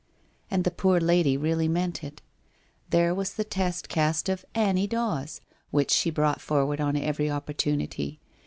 And the poor lady really meant it. There was the test cast of Annie Dawes, which she brought forward on every opportunity.